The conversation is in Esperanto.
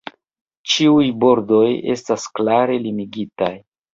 Ĉiuj bordoj estas klare limigitaj.